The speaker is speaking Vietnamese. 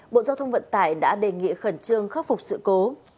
bộ giao thông vận tải đã đề nghị khẩn trương khắc phục sự cố